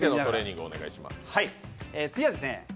次はですね